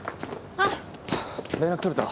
はぁ連絡取れた？